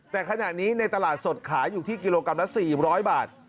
แต่ขณะนี้ในตลาดสดขายอยู่ที่กิโลกรัมละ๔๐๐บาท